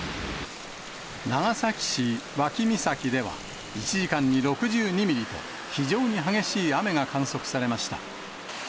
長崎市脇岬では、１時間に６２ミリと、非常に激しい雨が観測されました。